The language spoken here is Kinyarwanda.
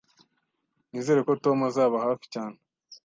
Nizere ko Tom atazaba hafi cyane.